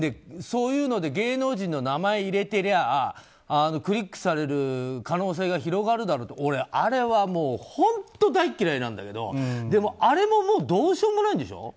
そういうので芸能人の名前を入れてればクリックされる可能性が広がるだろうって俺、あれは本当に大嫌いなんだけどでも、あれもどうしようもないんでしょ。